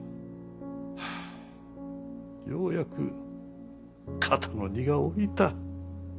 ようやく肩の荷が下りた。